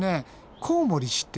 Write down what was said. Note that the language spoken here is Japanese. コウモリ知ってる？